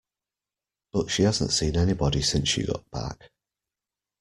But she hasn't seen anybody since she got back.